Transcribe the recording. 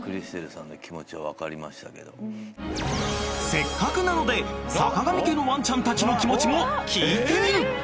［せっかくなので坂上家のワンちゃんたちの気持ちも聞いてみる］